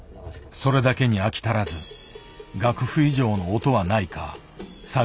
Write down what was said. それだけに飽き足らず楽譜以上の音はないか探り続ける。